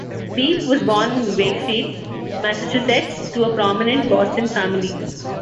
Beebe was born in Wakefield, Massachusetts, to a prominent Boston family.